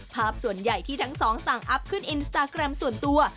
ภาพส่วนใหญ่ที่ทั้งสองสั่งอัพขึ้นอินสตาแกรมส่วนตัว